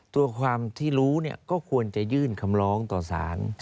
ตัวความที่รู้ก็ควรจะยื่นคำร้องต่อสาร